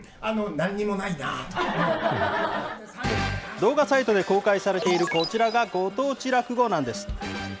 動画サイトで公開されているこちらがご当地落語なんです。